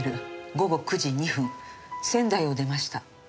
午後９時２分「仙台を出ました」。